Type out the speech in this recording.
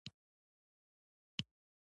چې د پکستان په خوښه یې